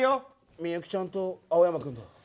ミユキちゃんと青山君だ。